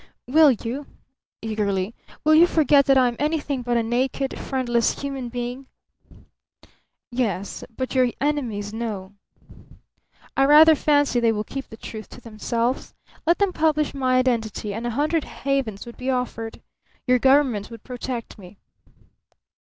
"Will you?" eagerly. "Will you forget that I am anything but a naked, friendless human being?" "Yes. But your enemies know." "I rather fancy they will keep the truth to themselves. Let them publish my identity, and a hundred havens would be offered. Your Government would protect me."